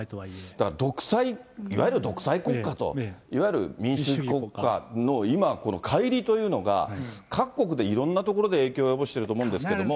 だから独裁、いわゆる独裁国家と、いわゆる民主国家の今、というのが各国でいろんな所で影響を及ぼしていると思うんです